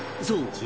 そう！